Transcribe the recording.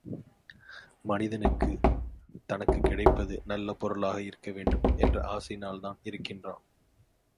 மனிதனுக்கு......... தனக்குக் கிடைப்பது நல்ல பொருளாக இருக்க வேண்டும், என்ற ஆசையினால்தான் இருக்கின்றான்.